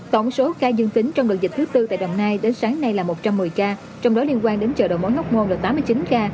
tổng số ca dương tính trong đợt dịch thứ tư tại đồng nai đến sáng nay là một trăm một mươi ca trong đó liên quan đến chợ đầu mối ngóc môn là tám mươi chín ca